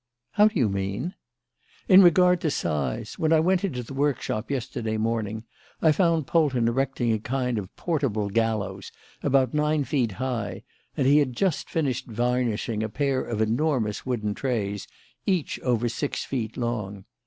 "How do you mean?" "In regard to size. When I went into the workshop yesterday morning, I found Polton erecting a kind of portable gallows about nine feet high, and he had just finished varnishing a pair of enormous wooden trays, each over six feet long.